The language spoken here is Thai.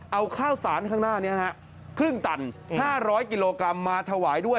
เอาข้าวสารข้างหน้านี้นะฮะครึ่งตัน๕๐๐กิโลกรัมมาถวายด้วย